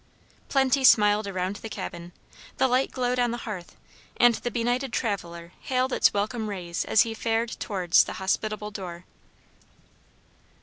Plenty smiled around the cabin. The light glowed on the hearth, and the benighted traveler hailed its welcome rays as he fared towards the hospitable door.